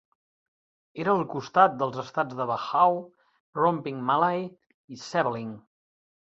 Era al costat dels estats de Bahau, Rompin Malay i Sebaling.